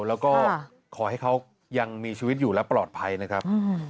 แล้วก็ขอให้เขายังมีชีวิตอยู่และปลอดภัยนะครับ